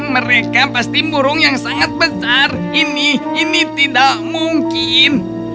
mereka pasti burung yang sangat besar ini ini tidak mungkin